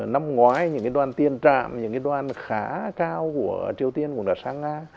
năm ngoái những cái đoàn tiên trạm những cái đoàn khá cao của triều tiên cũng đã sang nga